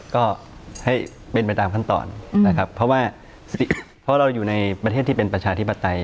ก็ให้เป็นไปตามขั้นตอนนะครับเพราะว่าเพราะเราอยู่ในประเทศที่เป็นประชาธิปไตย